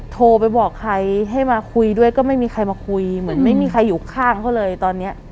โทรไปบอกใครให้มาคุยด้วยก็ไม่มีใครมาคุยเหมือนไม่มีใครอยู่ข้างเขาเลยตอนเนี้ย